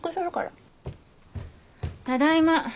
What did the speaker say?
ただいま。